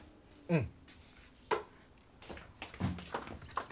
うん。